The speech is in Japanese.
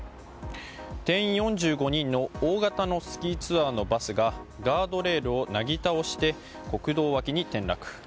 定員４５人の大型のスキーツアーのバスがガードレールをなぎ倒して国道脇に転落。